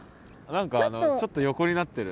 何かちょっと横になってる。